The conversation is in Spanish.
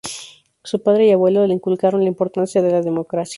Su padre y abuelo le inculcaron la importancia de la democracia.